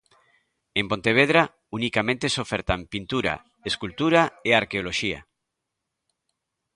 En Pontevedra, unicamente se ofertan Pintura, Escultura e Arqueoloxía.